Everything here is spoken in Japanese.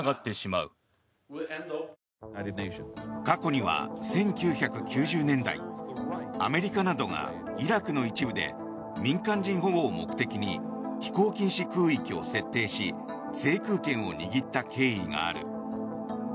過去には、１９９０年代アメリカなどがイラクの一部で民間人保護を目的に飛行禁止空域を設定し制空権を握った経緯がある。